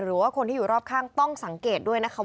หรือว่าคนที่อยู่รอบข้างต้องสังเกตด้วยนะคะ